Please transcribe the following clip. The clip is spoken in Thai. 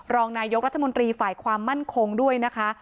รองนายกรัฐมนตรีฝ่ายความมั่นคงด้วยนะคะ